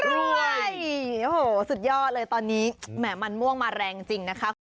โอ้โหสุดยอดเลยตอนนี้แหมมันม่วงมาแรงจริงนะคะคุณ